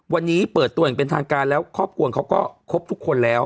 วันนี้เปิดตัวอย่างเป็นทางการแล้วครอบครัวเขาก็ครบทุกคนแล้ว